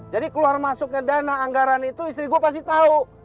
jadi keluar masuknya dana anggaran itu istri gue pasti tahu